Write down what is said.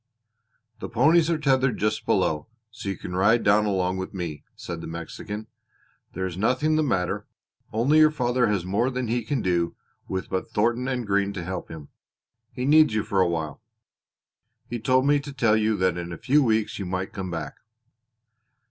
"The ponies are tethered just below, so you can ride down along with me," said the Mexican. "There is nothing the matter, only your father has more than he can do with but Thornton and Green to help him. He needs you for a while. He told me to tell you that in a few weeks you might come back."